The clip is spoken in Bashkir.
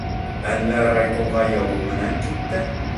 Әллә райкомға ялыу менән китте?